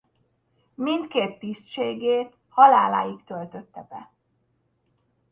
Mindkét tisztségét haláláig töltötte be.